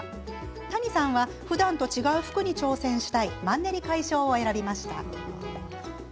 谷さんはふだんと違う服に挑戦したいマンネリ解消を選びました。